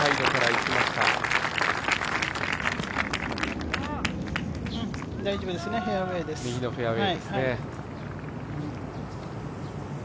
大丈夫ですね、フェアウエーです。